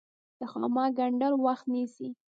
د خامک ګنډل وخت نیسي